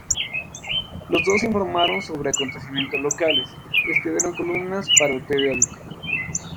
Los dos informaron sobre acontecimientos locales y escribieron columnas para el periódico.